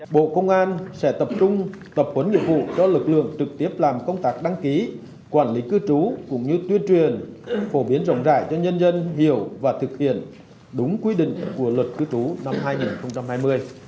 bộ công an sẽ tập trung tập huấn nhiệm vụ cho lực lượng trực tiếp làm công tác đăng ký quản lý cư trú cũng như tuyên truyền phổ biến rộng rãi cho nhân dân hiểu và thực hiện đúng quy định của luật cư trú năm hai nghìn hai mươi